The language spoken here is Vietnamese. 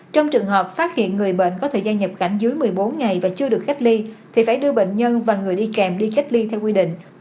trong trường hợp phát hiện người bệnh có thời gian nhập cảnh dưới một mươi bốn ngày và chưa được cách ly thì phải đưa bệnh nhân và người đi kèm đi cách ly theo quy định